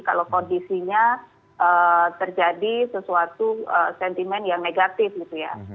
kalau kondisinya terjadi sesuatu sentimen yang negatif gitu ya